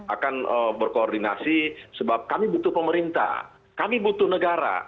akan berkoordinasi sebab kami butuh pemerintah kami butuh negara